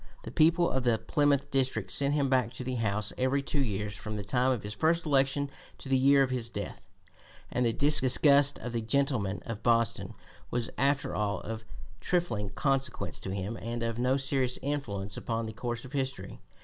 The people of the Plymouth district sent him back to the House every two years from the time of his first election to the year of his death, and the disgust of the gentlemen of Boston was after all of trifling consequence to him and of no serious influence upon the course of history.